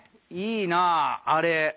いいなあれ。